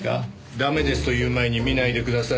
ダメですと言う前に見ないでください。